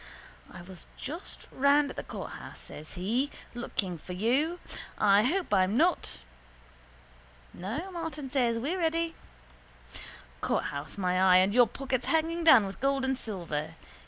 —I was just round at the courthouse, says he, looking for you. I hope I'm not... —No, says Martin, we're ready. Courthouse my eye and your pockets hanging down with gold and silver.